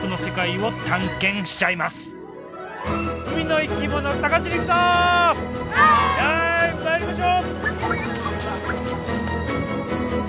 はい参りましょう！